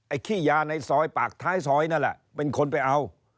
ขี้ยาในซอยปากท้ายซอยนั่นแหละเป็นคนไปเอา